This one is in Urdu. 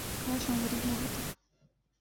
کاش ہم غریب نہ ہوتے